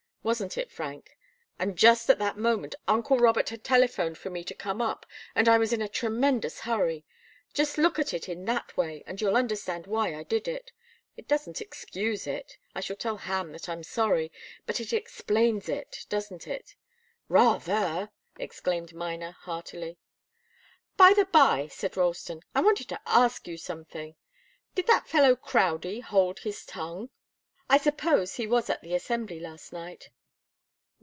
Wasn't it, Frank? And just at that moment, uncle Robert had telephoned for me to come up, and I was in a tremendous hurry. Just look at in that way, and you'll understand why I did it. It doesn't excuse it I shall tell Ham that I'm sorry but it explains it. Doesn't it?" "Rather!" exclaimed Miner, heartily. "By the bye," said Ralston, "I wanted to ask you something. Did that fellow Crowdie hold his tongue? I suppose he was at the Assembly last night."